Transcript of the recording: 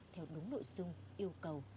theo đúng nội dung yêu cầu